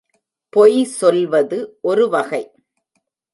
பொய் சொல்வது ஒரு வகை.